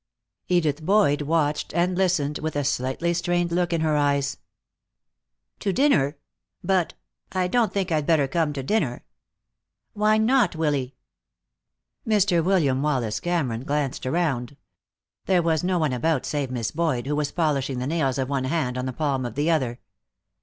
Edith Boyd watched and listened, with a slightly strained look in her eyes. "To dinner? But I don't think I'd better come to dinner." "Why not, Willy?" Mr. William Wallace Cameron glanced around. There was no one about save Miss Boyd, who was polishing the nails of one hand on the palm of the other.